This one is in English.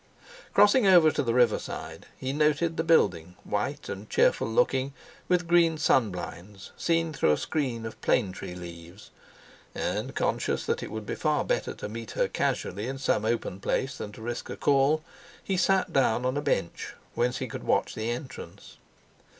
Crossing over to the river side, he noted the building, white and cheerful looking, with green sunblinds, seen through a screen of plane tree leaves. And, conscious that it would be far better to meet her casually in some open place than to risk a call, he sat down on a bench whence he could watch the entrance.